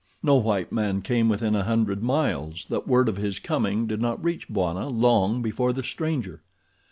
No white man came within a hundred miles that word of his coming did not reach Bwana long before the stranger.